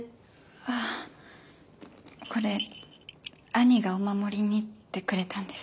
あこれ兄がお守りにってくれたんです。